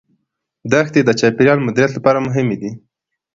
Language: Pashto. دښتې د چاپیریال مدیریت لپاره مهمې دي.